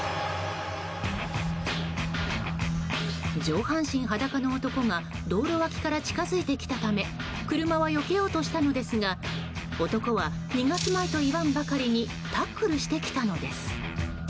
上半身裸の男が道路脇から近付いてきたため車はよけようとしたのですが男は逃がすまいといわんばかりにタックルしてきたのです。